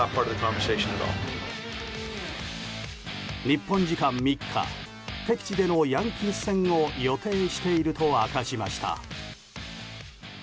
日本時間３日敵地でのヤンキース戦を予定していると明かしました。